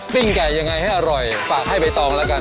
ปิ้งไก่ยังไงให้อร่อยฝากให้ใบตองแล้วกัน